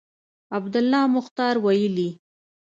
عبدالله مختیار ویلي